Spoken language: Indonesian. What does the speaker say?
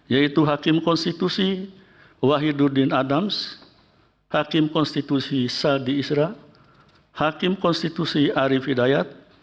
yaitu hakim konstitusi wahiduddin adams hakim konstitusi sadi isra hakim konstitusi ari fidayat